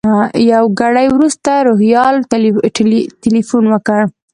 یو ګړی وروسته روهیال تیلفون وکړ.